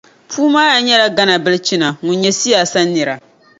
Puumaya nyɛla Gana bilichina ŋun ny siyaasa nira.